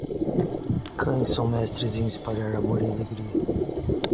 Cães são mestres em espalhar amor e alegria.